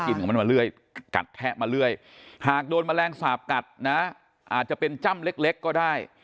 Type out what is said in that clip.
ก็ล้างน้ำแปลวทำความสะอาดที่ถูกกับก็ล้างเชื้อได้